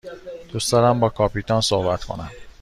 دوست دارم با کاپیتان صحبت کنم.